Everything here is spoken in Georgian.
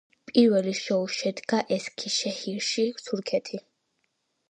პირველი შოუ შედგა ესქიშეჰირში, თურქეთი.